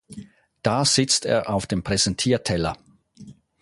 Da sitzt er auf dem Präsentierteller.